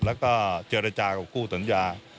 แล้วก็เจรจากับคู่สัญญา